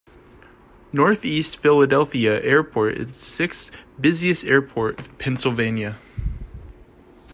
Northeast Philadelphia Airport is the sixth busiest airport in Pennsylvania.